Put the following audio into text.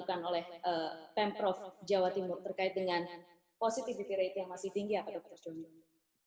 yang akan sedang dilakukan oleh pemprov jawa timur terkait dengan positivity rate yang masih tinggi apa pak prof jorjono